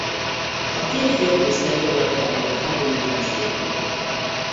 A két félkész tengeralattjárót a háború után szétbontották.